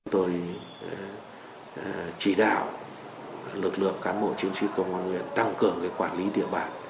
tôi chỉ đạo lực lượng cán bộ chính trị công an huyện tăng cường quản lý địa bàn